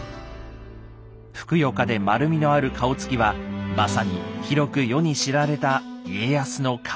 ふくよかで丸みのある顔つきはまさに広く世に知られた「家康の顔」